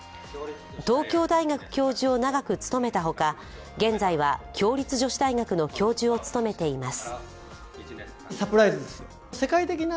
東京大学教授を長く務めたほか、現在は共立女子大学の教授を務めています。